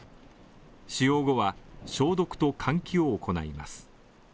使用後は消毒と換気を行います。